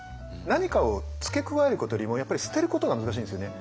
何かを付け加えることよりもやっぱり捨てることが難しいんですよね。